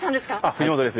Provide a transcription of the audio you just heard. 藤本です。